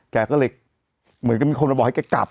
แกก็เลยเหมือนกับมีคนมาบอกให้แกกลับ